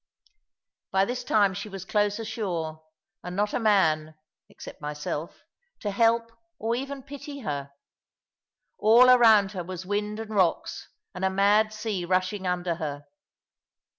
By this time she was close ashore, and not a man (except myself) to help or even pity her. All around her was wind and rocks, and a mad sea rushing under her.